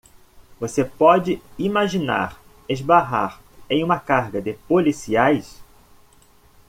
Você pode imaginar esbarrar em uma carga de policiais?